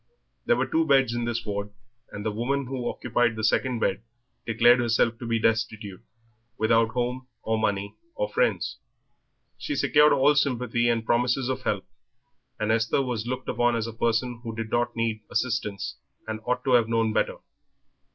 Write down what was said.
There were two beds in this ward, and the woman who occupied the second bed declared herself to be destitute, without home, or money, or friends. She secured all sympathy and promises of help, and Esther was looked upon as a person who did not need assistance and ought to have known better.